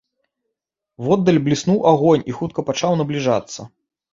Воддаль бліснуў агонь і хутка пачаў набліжацца.